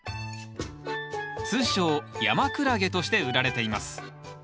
通称ヤマクラゲとして売られています。